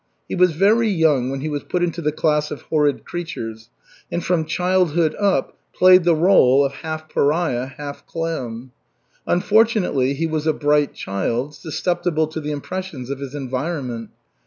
He was very young when he was put into the class of "horrid creatures," and from childhood up played the rôle of half pariah, half clown. Unfortunately he was a bright child, susceptible to the impressions of his environment.